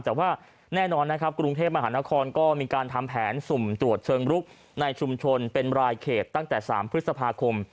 แต่ว่าแน่นอนนะครับกรุงเทพมหานครก็มีการทำแผนสุ่มตรวจเชิงรุกในชุมชนเป็นรายเขตตั้งแต่๓พฤษภาคม